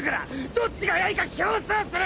どっちが速いか競走する！